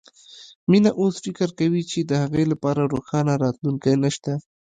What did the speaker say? مينه اوس فکر کوي چې د هغې لپاره روښانه راتلونکی نه شته